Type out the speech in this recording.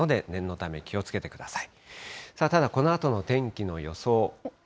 ただ、このあとの天気の予想。